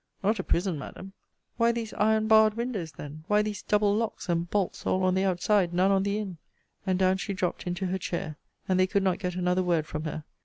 Not a prison, Madam. Why these iron barred windows, then? Why these double locks and bolts all on the outside, none on the in? And down she dropt into her chair, and they could not get another word from her.